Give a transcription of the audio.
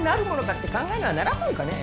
って考えにはならんもんかね。